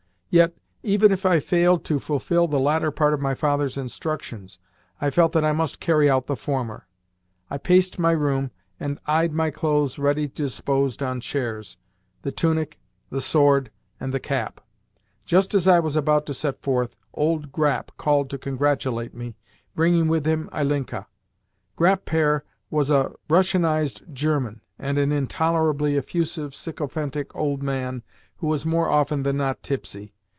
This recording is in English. Yet, even if I failed to fulfil the latter part of my father's instructions, I felt that I must carry out the former. I paced my room and eyed my clothes ready disposed on chairs the tunic, the sword, and the cap. Just as I was about to set forth, old Grap called to congratulate me, bringing with him Ilinka. Grap pere was a Russianised German and an intolerably effusive, sycophantic old man who was more often than not tipsy.